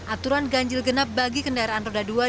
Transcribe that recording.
aturan ganjil genap bagi kendaraan roda dua